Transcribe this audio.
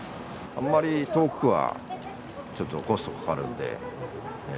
あんまり遠くは、ちょっとコストかかるんで。